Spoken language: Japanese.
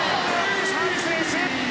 サービスエース！